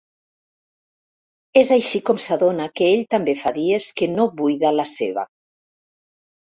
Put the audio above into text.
És així com s'adona que ell també fa dies que no buida la seva.